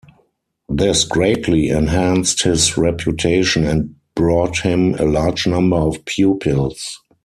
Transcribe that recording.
This greatly enhanced his reputation and brought him a large number of pupils.